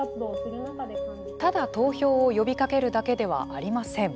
ただ投票を呼びかけるだけではありません。